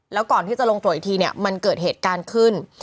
แล้วก่อนที่จะลงตรวจอีทีมันก็เห็นเหตุการณ์ขึ้น